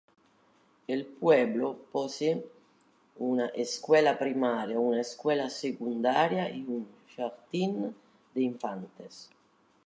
El pueblo posee una escuela primaria, una escuela secundaria y un jardín de infantes.